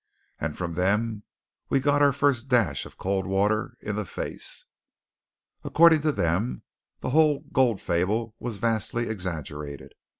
And from them we got our first dash of cold water in the face. According to them the whole gold fable was vastly exaggerated.